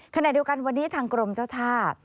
ขณะเดียวกันวันนี้ทางกรมเจ้าท่า